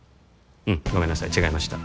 うんごめんなさい違いました